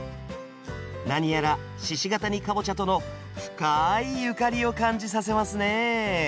何やら鹿ケ谷かぼちゃとの深いゆかりを感じさせますね。